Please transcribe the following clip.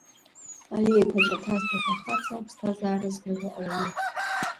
Аҩеиқәаҵәа ҭазҭәаз ахаҵа, аԥсҭазаара зныҳәо ауаҩы.